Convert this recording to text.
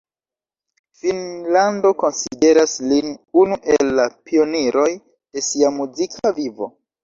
Finnlando konsideras lin unu el la pioniroj de sia muzika vivo.